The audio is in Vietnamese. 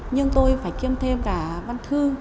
nhưng tôi phải kiêm thêm cả văn thư